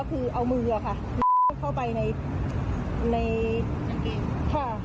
อีกมือนึงมันเลิกมันเลิกจัด